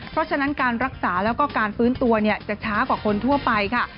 เพราะฉะนั้นการรักษาแล้วก็การฟื้นตัวจะช้ากว่าคนทั่วไปค่ะ